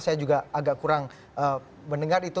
saya juga agak kurang mendengar itu